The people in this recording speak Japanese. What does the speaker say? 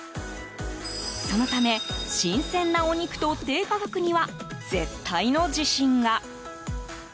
そのため、新鮮なお肉と低価格には絶対の自信が。